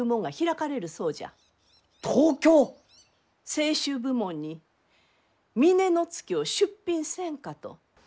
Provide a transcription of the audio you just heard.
清酒部門に峰乃月を出品せんかと。